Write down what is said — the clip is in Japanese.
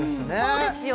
そうですよ